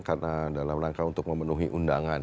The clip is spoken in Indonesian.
karena dalam langkah untuk memenuhi undangan